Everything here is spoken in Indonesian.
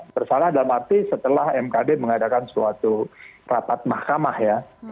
bersalah dalam arti setelah mkd mengadakan suatu rapat mahkamah ya